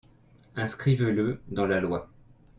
Inscrivez-le dans la loi.